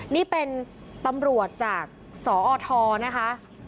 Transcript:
นี่เป็นตำรวจจากสอทนะคะ